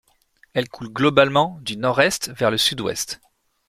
Elle coule globalement du nord-est vers le sud-ouest.